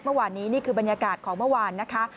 เมื่อวานนี้นี่คือบรรยากาศของเมื่อวานนะคะ